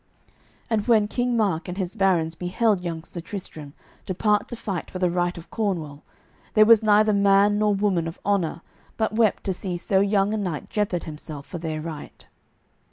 And when King Mark and his barons beheld young Sir Tristram depart to fight for the right of Cornwall, there was neither man nor woman of honour but wept to see so young a knight jeopard himself for their right.